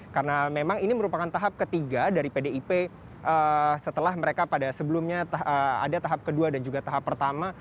karena memang ini merupakan tahap ketiga dari pdip setelah mereka pada sebelumnya ada tahap kedua dan juga tahap pertama